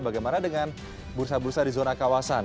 bagaimana dengan bursa bursa di zona kawasan